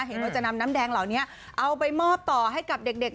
เห็นว่าจะนำน้ำแดงเหล่านี้เอาไปมอบต่อให้กับเด็ก